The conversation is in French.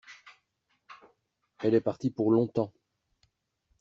Elle est partie pour longtemps.